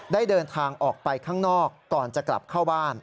ได้เดินทางออกไปข้างนอกก่อนจะกลับเข้าบ้าน